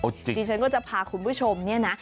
จริงดิฉันก็จะพาคุณผู้ชมเนี่ยนะ